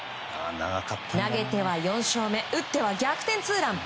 投げては４勝目打っては逆転ツーラン。